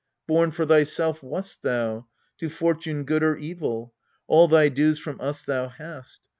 Born for thyself wast thou, to fortune good Or evil : all thy dues from us thou hast.